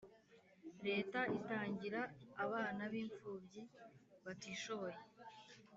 Leta itangira abana b imfubyi batishoboye